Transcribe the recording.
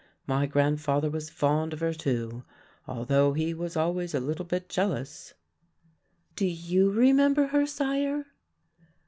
My grandfather was fond of her, too, although he was always a little bit jealous." "Do you remember her, sire?"